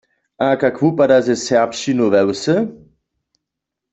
A kak wupada ze serbšćinu we wsy?